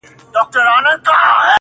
بس که! آسمانه نور یې مه زنګوه!